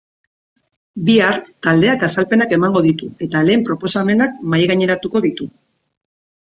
Bihar, taldeak azalpenak emango ditu eta lehen proposamenak mahaigaineratuko ditu.